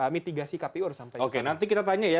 mitigasi kpu harus sampai di sana oke nanti kita tanya ya